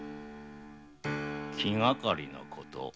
気がかりなこと？